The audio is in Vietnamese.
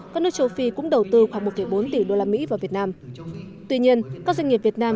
các nước châu phi cũng đầu tư khoảng một bốn tỷ usd vào việt nam tuy nhiên các doanh nghiệp việt nam